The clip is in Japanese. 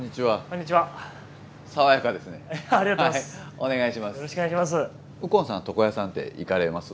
お願いします。